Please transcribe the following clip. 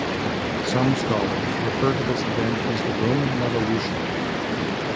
Some scholars refer to this event as the Roman Revolution.